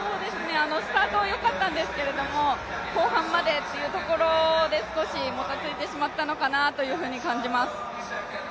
スタートよかったんですけれども、後半までというところで少しもたついてしまったのかなというふうに感じます。